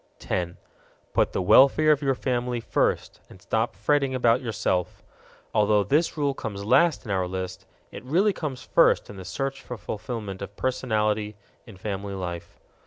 10. Put the welfare of your family first, and stop fretting about yourself. Although this rule comes last in our list, it really comes first in the search for fulfillment of personality in family life.